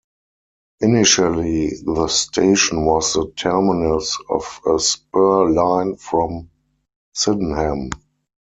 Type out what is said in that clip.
Initially the station was the terminus of a spur line from Sydenham.